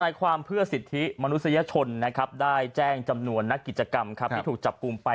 ในความเพื่อสิทธิมนุษยชนได้แจ้งจำนวนนักกิจกรรมที่ถูกจับกลุ่มไป